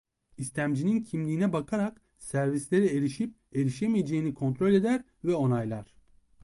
İstemcinin kimliğine bakarak servislere erişip erişmeyeceğini kontrol eder ve onaylar.